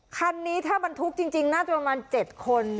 คันนี้ถ้าบรรทุกจริงน่าจะประมาณ๗คน